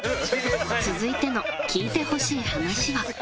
続いての聞いてほしい話は。